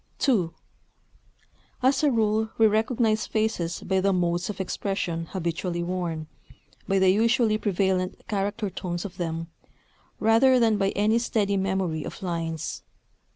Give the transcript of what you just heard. II As a rule we recognize faces by the modes of expression habitually worn, by the usually prevalent character tones of them, rather than by any steady memory of lines.